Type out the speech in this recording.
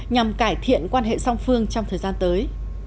nhằm cải thiện quan hệ song phương trong thời gian tới